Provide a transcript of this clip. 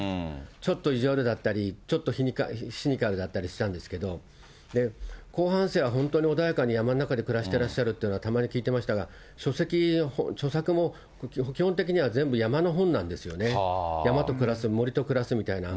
ちょっと意地悪だったり、ちょっとシニカルだったりしたんですけど、後半生は本当に穏やかに山の中で暮らしてらっしゃるってたまに聞いてましたが、書籍も、著作も基本的には全部、山の本なんですよね、山と暮らす、森と暮らすみたいな。